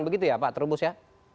begitu ya pak terubus ya